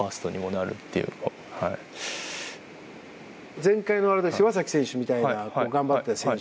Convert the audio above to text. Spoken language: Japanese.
前回が柴崎選手みたいな頑張っている選手。